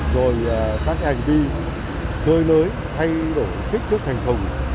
rồi các hành vi chơi lưới thay đổi kích thước thành thùng